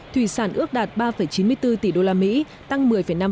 thủy sản ước đạt ba chín mươi bốn tỷ usd tăng một mươi năm